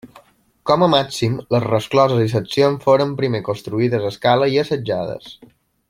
Com a màxim, les rescloses i seccions foren primer construïdes a escala i assajades.